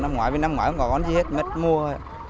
năm ngoái không có gì hết mệt mua